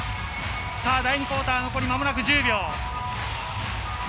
第２クオーター、残り間もなく１０秒。